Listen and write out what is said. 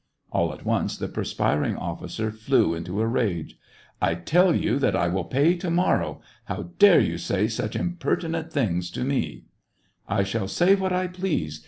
All at once the perspiring officer flew into a rage. *' I tell you that I will pay to morrow ; how dare you say such impertinent things to me t "I shall say what I please